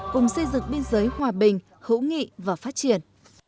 cùng xây dựng biên giới hòa bình hữu nghị và phát triển